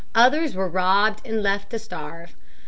Others were robbed and left to starve.